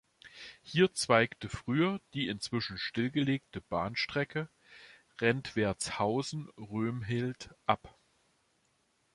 Hier zweigte früher die inzwischen stillgelegte Bahnstrecke Rentwertshausen–Römhild ab.